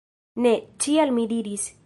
Ne, ĉial! mi diris.